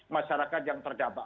masyarakat yang terdapat